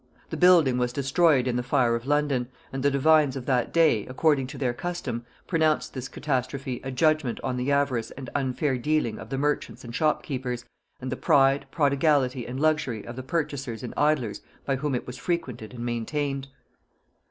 The building was destroyed in the fire of London; and the divines of that day, according to their custom, pronounced this catastrophe a judgement on the avarice and unfair dealing of the merchants and shopkeepers, and the pride, prodigality and luxury of the purchasers and idlers by whom it was frequented and maintained.